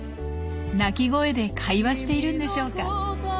鳴き声で会話しているんでしょうか？